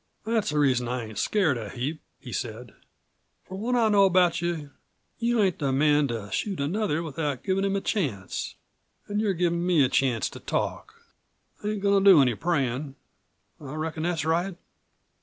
"That's the reason I ain't scared a heap," he said. "From what I know about you you ain't the man to shoot another without givin' him a chance. An' you're givin' me a chance to talk. I ain't goin' to do any prayin'. I reckon that's right?"